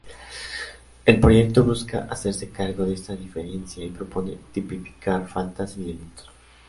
El proyecto busca hacerse cargo de esa diferencia y propone tipificar faltas y delitos.